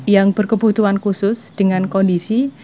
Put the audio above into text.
yang berkebutuhan khusus dengan kondisi